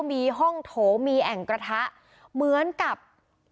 มีห้องโถมีแอ่งกระทะเหมือนกับลักษณะของ